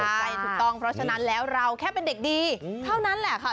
ถูกต้องเพราะฉะนั้นแล้วเราแค่เป็นเด็กดีเท่านั้นแหละค่ะ